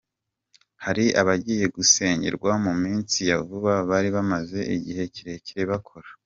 Hari abagiye gusengerwa mu minsi ya vuba bari bamaze igihe kirekire bakora.